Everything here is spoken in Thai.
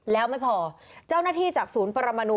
แล้วไม่พอเจ้าหน้าที่จากศูนย์ปรมนู